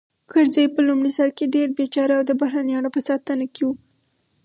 کرزی په لومړي سر کې ډېر بېچاره او د بهرنیانو په ساتنه کې و